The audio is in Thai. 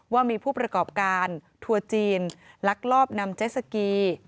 ว่ามีผู้ประกอบการทัวร์จีนลักลอบนำเจสสกี